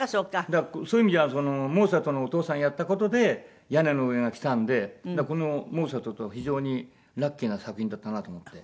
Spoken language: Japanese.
だからそういう意味じゃモーツァルトのお父さんやった事で『屋根の上』がきたんでこの『モーツァルト！』と非常にラッキーな作品だったなと思って。